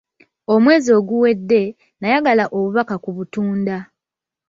Omwezi oguwedde, nayagala obubaka ku butunda.